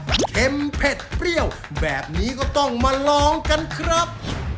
เค็มเผ็ดเปรี้ยวแบบนี้ก็ต้องมาลองกันครับ